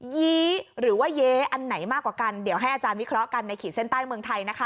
ยี้หรือว่าเย้อันไหนมากกว่ากันเดี๋ยวให้อาจารย์วิเคราะห์กันในขีดเส้นใต้เมืองไทยนะคะ